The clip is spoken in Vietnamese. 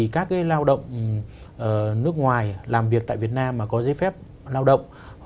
các lao động nước ngoài làm việc tại việt nam mà có giấy phép lao động